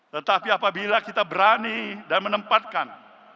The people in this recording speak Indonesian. tetapi apabila kita berani dan menempatkan